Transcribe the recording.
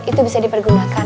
itu bisa dipergunakan